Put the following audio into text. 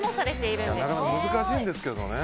なかなか難しいんですけどね。